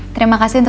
terima kasih pak